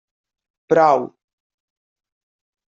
Prou.